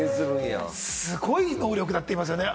すごい能力だって言いますね。